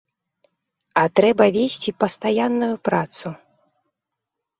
А трэба весці пастаянную працу.